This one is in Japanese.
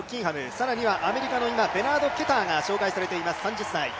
更にはアメリカのベナード・ケターが紹介されています、３０歳。